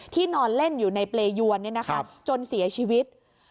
นอนเล่นอยู่ในเปรยวนจนเสียชีวิต